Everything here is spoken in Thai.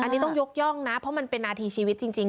อันนี้ต้องยกย่องนะเพราะมันเป็นนาทีชีวิตจริง